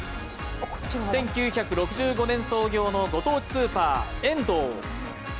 １９６５年創業のご当地スーパーエンドー。